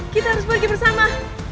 kita harus pergi bersama